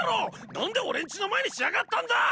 何で俺んちの前にしやがったんだ！